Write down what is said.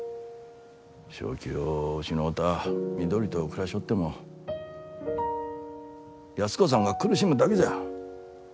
正気を失うた美都里と暮らしょおっても安子さんが苦しむだけじゃ。